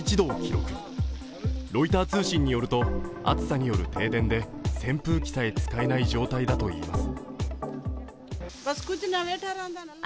ロイター通信によると暑さによる停電で扇風機さえ使えない状態だといいます。